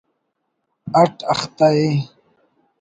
اٹ اختہ ءِ